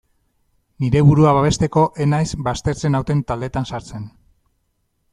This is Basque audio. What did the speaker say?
Nire burua babesteko ez naiz baztertzen nauten taldeetan sartzen.